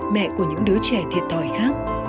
mẹ của những đứa trẻ thiệt tòi khác